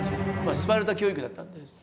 スパルタ教育だったんで。